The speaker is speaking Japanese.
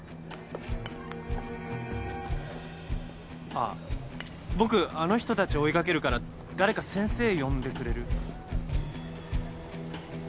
あっ僕あの人たち追い掛けるから誰か先生呼んでくれる？